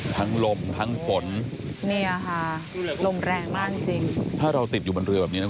ทั้งลมทั้งฝนนี่อ่ะฮะลมแรงมากจริงถ้าเราติดอยู่บนเรือแบบนี้นะครับ